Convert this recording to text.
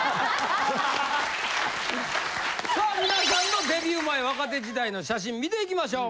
さあ皆さんのデビュー前若手時代の写真見ていきましょう。